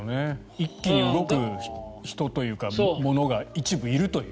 一気に動く人というか、ものが一部、いるという。